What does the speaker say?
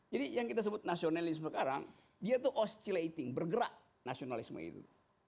jadi yang kita sebut nasionalisme sekarang dia tuh oscilating bergerak nasionalisme itu